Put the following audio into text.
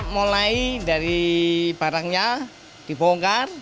mulai dari barangnya dibongkar